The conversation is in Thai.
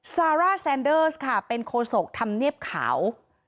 ซาร่าแซนเดอร์สค่ะเป็นโคศกธรรมเนียบขาว